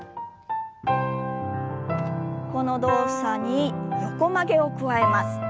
この動作に横曲げを加えます。